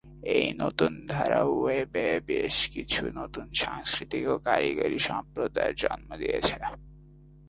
এই নতুন ধারা ওয়েবে বেশ কিছু নতুন সাংস্কৃতিক ও কারিগরি সম্প্রদায়ের জন্ম দিয়েছে।